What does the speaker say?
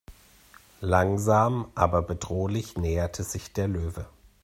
Langsam aber bedrohlich näherte sich der Löwe.